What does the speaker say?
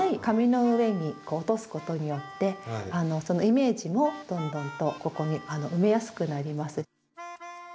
紙の上に落とすことによってイメージもどんどんとここに埋めやすくなります。